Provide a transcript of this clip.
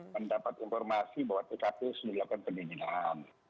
mendapat informasi bahwa tkp sudah dilakukan pendinginan